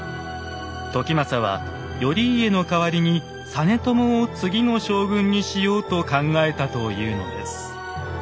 時政は頼家の代わりに実朝を次の将軍にしようと考えたというのです。